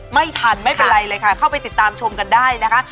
ไม่ทันไม่เป็นไรเลยค่ะเข้าไปติดตามชมกันได้นะคะ